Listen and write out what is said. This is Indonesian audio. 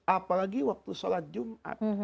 apalagi waktu sholat jumat